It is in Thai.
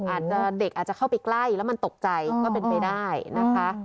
อาจจะเด็กอาจจะเข้าไปใกล้แล้วมันตกใจก็เป็นไปได้นะคะ